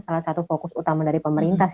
salah satu fokus utama dari pemerintah